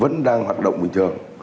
vẫn đang hoạt động bình thường